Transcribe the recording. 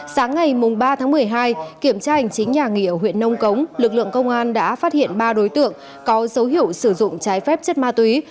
sáng ngày ba tháng một mươi hai kiểm tra hành chính nhà nghị ở huyện nông cống lực lượng công an đã phát hiện ba đối tượng có dấu hiệu sử dụng trái phép chất ma túy